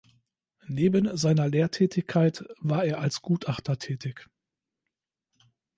Neben seiner Lehrtätigkeit war er als Gutachter tätig.